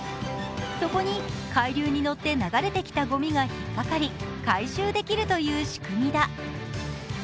そこに海流に乗って流れてきたごみが引っ掛かり回収できるという仕組みだ。